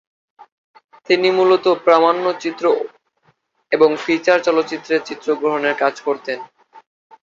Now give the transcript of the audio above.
তিনি মূলত প্রামাণ্যচিত্র এবং ফিচার চলচ্চিত্রে চিত্রগ্রহণের কাজ করেছেন।